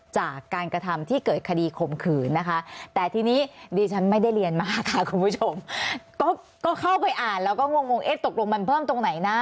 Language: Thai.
จากการกระทำที่เกิดคดีข่มขืนนะคะแต่ทีนี้ดิฉันไม่ได้เรียนมากค่ะคุณผู้ชมก็เข้าไปอ่านแล้วก็งงเอ๊ะตกลงมันเพิ่มตรงไหนนะ